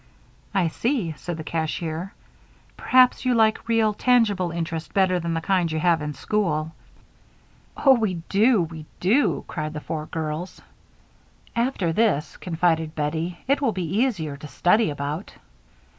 "I see," said the cashier. "Perhaps you like real, tangible interest better than the kind you have in school." "Oh, we do, we do!" cried the four girls. "After this," confided Bettie, "it will be easier to study about."